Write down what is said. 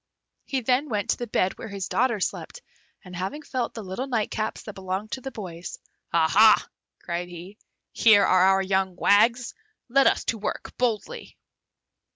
He then went to the bed where his daughters slept, and having felt the little nightcaps that belonged to the boys. "Aha!" cried he. "Here are our young wags! Let us to work boldly!"